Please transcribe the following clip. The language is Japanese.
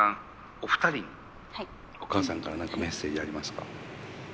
お二人にお母さんから何かメッセージありますか？